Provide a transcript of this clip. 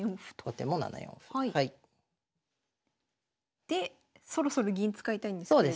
後手も７四歩。でそろそろ銀使いたいんですけれども。